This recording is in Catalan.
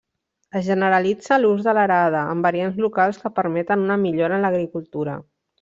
Es generalitza l'ús de l'arada, amb variants locals que permeten una millora en l'agricultura.